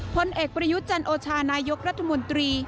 ผลเอกประยุทธ์จันโอชานายกรัฐมนตรี